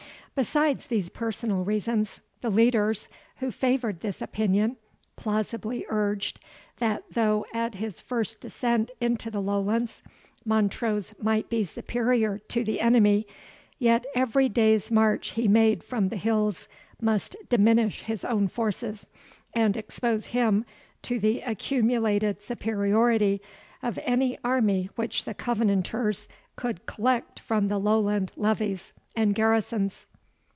Besides these personal reasons, the leaders, who favoured this opinion, plausibly urged, that though, at his first descent into the Lowlands, Montrose might be superior to the enemy, yet every day's march he made from the hills must diminish his own forces, and expose him to the accumulated superiority of any army which the Covenanters could collect from the Lowland levies and garrisons.